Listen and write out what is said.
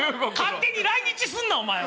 勝手に来日すんなお前は。